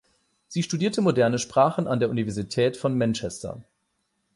Sie studierte moderne Sprachen an der Universität von Manchester.